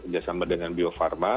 bersama dengan bio farma